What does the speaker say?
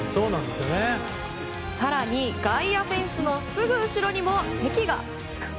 更に外野フェンスのすぐ後ろにも席が。